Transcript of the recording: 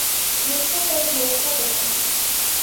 دوسروں پر بھروسہ کرتا ہوں